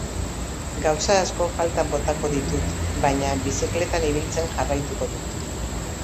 Gauza asko faltan botako ditut, baina bizikletan ibiltzen jarraituko dut.